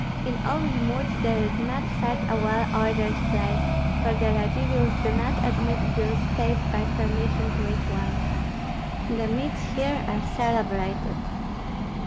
In all Jmud there is not such a well ordered place, for the Radzivills do not admit Jews, save by permission to each one. The meads here are celebrated."